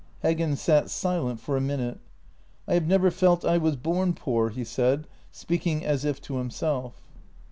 Heggen sat silent for a minute. " I have never felt I was born poor," he said, speaking as if to himself.